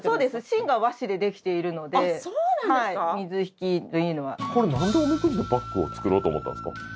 芯が和紙でできているのでそうなんですか水引というのは何でおみくじのバッグを作ろうと思ったんですか？